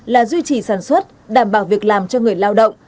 là duy trì sản xuất đảm bảo việc làm cho người lao động